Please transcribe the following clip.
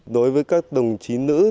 đối với các đồng chí nữ